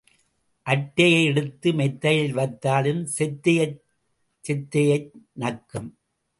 அட்டையை எடுத்து மெத்தையில் வைத்தாலும் செத்தையைச் செத்தையை நக்கும்.